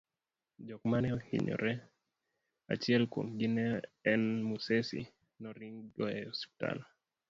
jok mane ohinyore, achiel kuomgi ne en Musesi, noring go e ospital